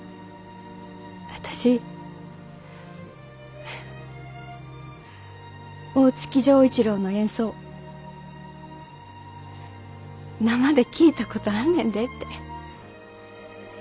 私フッ大月錠一郎の演奏生で聴いたことあんねんでって。